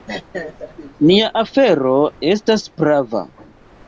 Nia afero estas prava.